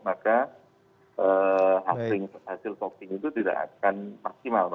maka hasil shopping itu tidak akan maksimal